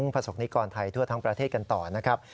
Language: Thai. ประสบนิกรไทยทั่วทั้งประเทศกันต่อนะครับ